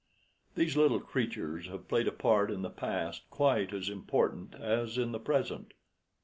These little creatures have played a part in the past quite as important as in the present.